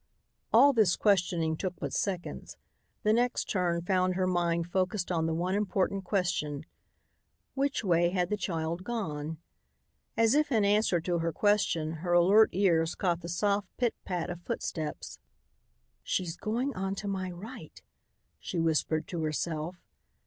All this questioning took but seconds. The next turn found her mind focused on the one important question: Which way had the child gone? As if in answer to her question, her alert ears caught the soft pit pat of footsteps. "She's going on to my right," she whispered to herself.